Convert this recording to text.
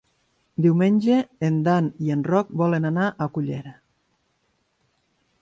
Diumenge en Dan i en Roc volen anar a Cullera.